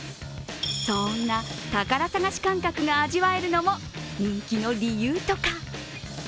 そんな宝探し感覚が味わえるのも人気の理由とか。